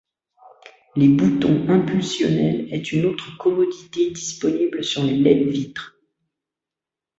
Les boutons impulsionnels est une autre commodité disponible sur les lève-vitres.